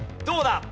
どうだ？